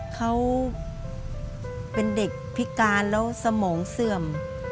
เขาเป็นเด็กพิการแล้วสมองเสื่อม